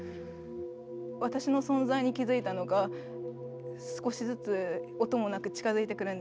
私の存在に気付いたのか少しずつ音もなく近づいてくるんですよね。